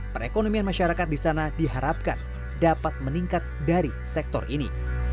perekonomian masyarakat di sana diharapkan dapat meningkat dari sektor ini